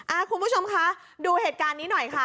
คุณผู้ชมคะดูเหตุการณ์นี้หน่อยค่ะ